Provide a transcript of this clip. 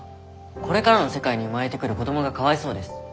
これからの世界に生まれてくる子どもがかわいそうです。